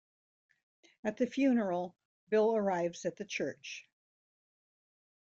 At the funeral, Bill arrives at the church.